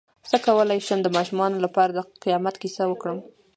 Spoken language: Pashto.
څ�ه کولی شم د ماشومانو لپاره د قیامت کیسه وکړم